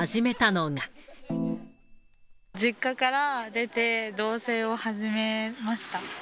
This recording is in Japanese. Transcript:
実家から出て、同せいを始めました。